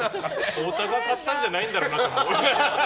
太田が買ったんじゃないだろうなって。